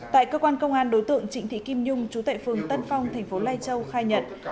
tại cơ quan công an đối tượng trịnh thị kim nhung chú tệ phương tân phong tỉnh lai châu khai nhận